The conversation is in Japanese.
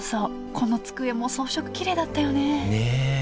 この机も装飾きれいだったよねねえ。